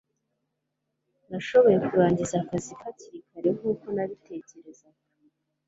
Nashoboye kurangiza akazi hakiri kare nkuko nabitekerezaga.